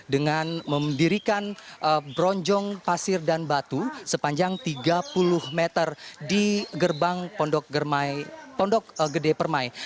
dengan mendirikan bronjong pasir dan batu sepanjang tiga puluh meter di gerbang pondok gede permai